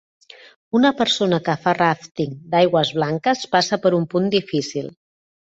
Una persona que fa ràfting d'aigües blanques passa per un punt difícil.